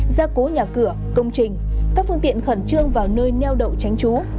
gia cố nhà cửa công trình các phương tiện khẩn trương vào nơi neo đậu tránh trú